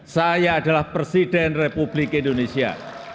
saya adalah presiden republik indonesia